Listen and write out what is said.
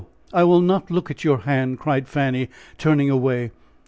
I will not look at your hand!" cried Fanny, turning away.